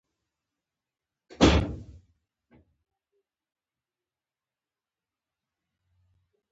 خلک دې د خبرو لپاره هڅول شي.